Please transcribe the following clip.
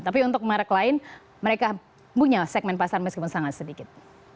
tapi untuk merek lain mereka punya segmen pasar meskipun sangat sedikit